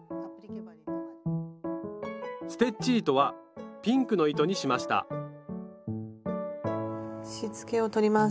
ステッチ糸はピンクの糸にしましたしつけを取ります。